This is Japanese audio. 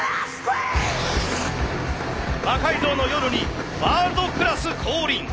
「魔改造の夜」にワールドクラス降臨。